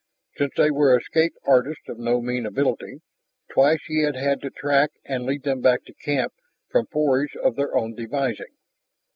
Since they were escape artists of no mean ability, twice he had had to track and lead them back to camp from forays of their own devising.